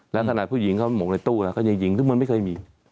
แล้วถ้าหากผู้หญิงเขาหมกในตู้แล้วก็ยิงซึ่งมันไม่เคยมี